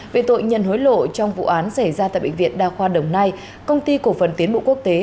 về tội nhận hối lộ trong vụ án xảy ra tại bệnh viện đa khoa đồng nai công ty cổ phần tiến bộ quốc tế